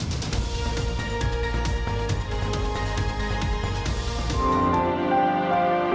สวัสดีครับ